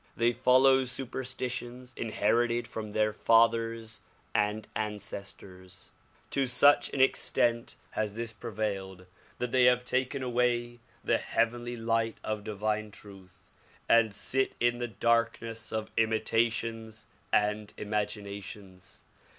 They follow superstitions inherited from their fathers and ancestors. To such an extent has this prevailed that they have taken away the heavenly light of divine truth and sit in the darkness of imitations and imaginations.